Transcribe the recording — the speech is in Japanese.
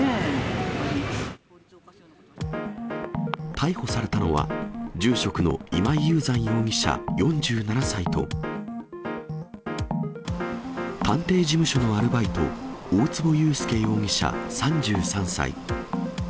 逮捕されたのは、住職の今井雄山容疑者４７歳と、探偵事務所のアルバイト、大坪裕介容疑者３３歳。